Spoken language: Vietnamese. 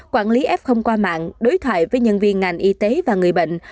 quản lý f qua mạng đối thoại với nhân viên ngành y tế và người bệnh